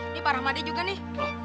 ini pak rahmadi juga nih